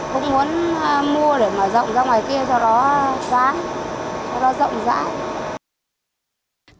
không muốn mua để mở rộng ra ngoài kia cho nó rãi cho nó rộng rãi